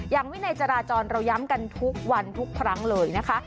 วินัยจราจรเราย้ำกันทุกวันทุกครั้งเลยนะคะ